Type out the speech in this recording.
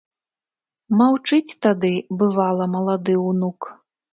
Маўчыць тады, бывала, малады ўнук.